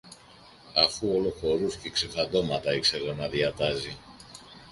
αφού όλο χορούς και ξεφαντώματα ήξερε να διατάζει